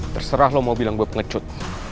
terserah lo mau bilang gue ngecut